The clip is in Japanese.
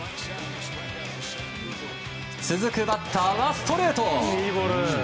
続くバッターはストレート。